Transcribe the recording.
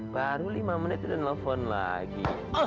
baru lima menit udah nelfon lagi